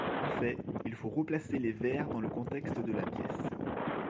En fait, il faut replacer les vers dans le contexte de la pièce.